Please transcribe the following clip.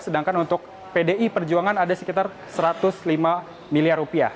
sedangkan untuk pdi perjuangan ada sekitar satu ratus lima miliar rupiah